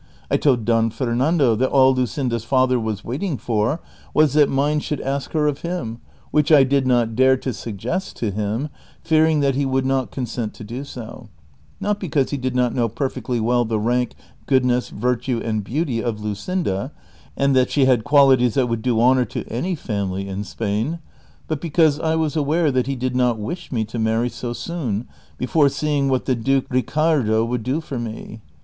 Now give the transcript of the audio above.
I told Uoii Fernando that all Luscinda's father was waiting for was that mine sliould ask her of him, which I did not dare to suggest to him, fearing that he would not consent to do so ; not because he did not know perfectly well the rank, goodness, virtue, and beauty of Luscinda, and that she had qualities that Avould do honor to any family in Spain, but because I was aware that he did not wish me to marry so soon, before seeing what the duke Ricardo would do for me.